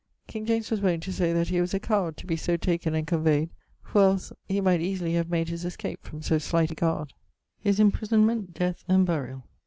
King James was wont to say that he was a coward to be so taken and conveyed, for els he might easily have made his escape from so slight a guard. <_His imprisonment, death, and burial.